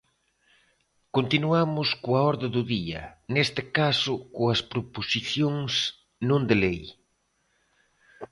Continuamos coa orde do día, neste caso coas proposicións non de lei.